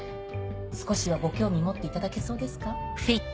少しはご興味持っていただけそうですか？